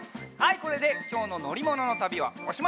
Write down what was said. これできょうののりもののたびはおしまい！